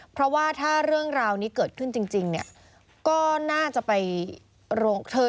เพราะว่าถ้าเรื่องราวนี้เกิดขึ้นจริงเนี่ยก็น่าจะไปโรงเธอ